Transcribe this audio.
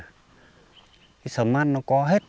cái smart nó có hết anh